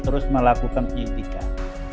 terus melakukan penyelidikan